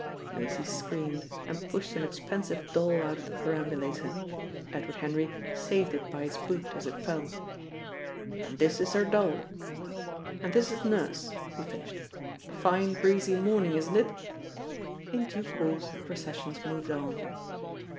Maisie screamed, and pushed an expensive doll out of the perambulator. Edward Henry saved it by its boot as it fell. "And this is her doll. And this is Nurse," he finished. "Fine breezy morning, isn't it?" In due course the processions moved on.